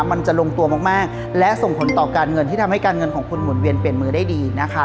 มันจะลงตัวมากและส่งผลต่อการเงินที่ทำให้การเงินของคุณหมุนเวียนเปลี่ยนมือได้ดีนะคะ